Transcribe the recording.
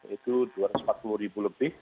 itu dua ratus empat puluh ribu lebih